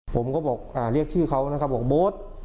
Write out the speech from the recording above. ผมก็บอกเรียกชื่อเขานะครับบอกโบ๊ท